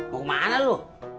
mau kemana lu